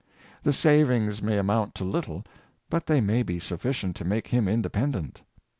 The savings may amount to little, but they may be sufficient to make him independent.